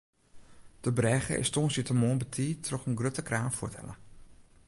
De brêge is tongersdeitemoarn betiid troch in grutte kraan fuorthelle.